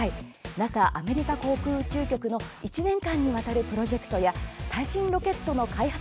ＮＡＳＡ・アメリカ航空宇宙局の１年間にわたるプロジェクトや最新ロケットの開発